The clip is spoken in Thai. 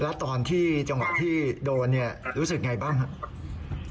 แล้วตอนที่จังหวะที่โดนรู้สึกไงบ้างครับ